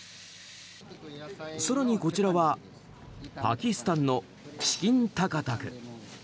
更に、こちらはパキスタンのチキンタカタク。